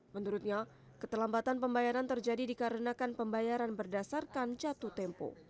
menurutnya keterlambatan pembayaran terjadi dikarenakan pembayaran berdasarkan jatuh tempo